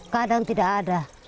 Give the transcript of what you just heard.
kadang tidak ada